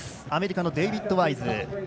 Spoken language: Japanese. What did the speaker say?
アメリカのデイビッド・ワイズ。